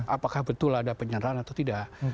apakah betul ada penyanderaan atau tidak